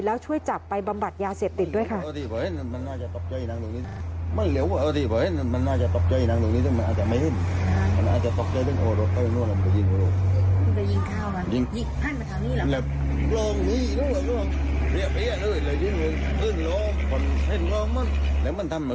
แล้วช่วยจับไปบำบัดยาเสพติดด้วยค่ะ